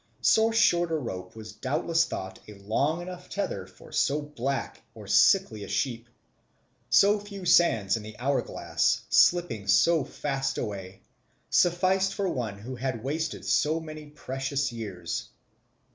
So short a rope was doubtless thought a long enough tether for so black or sickly a sheep; so few sands in the hour glass, slipping so fast away, sufficed for one who had wasted so many precious years.